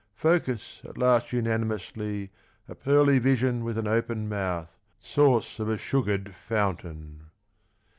Focus at last unanimously A pearly vision with an open mouth, Source of a sugared fountain.